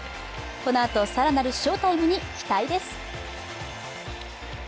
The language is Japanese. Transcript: このあとさらなる翔タイムに期待です